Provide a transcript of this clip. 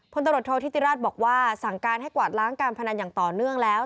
ตำรวจโทษธิติราชบอกว่าสั่งการให้กวาดล้างการพนันอย่างต่อเนื่องแล้ว